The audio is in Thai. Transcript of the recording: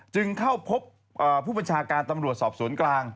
จึงเข้าพบผู้บัญชาการตำรวจสอบสวนกลาง